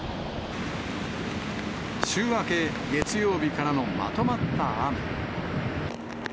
週明け月曜日からのまとまった雨。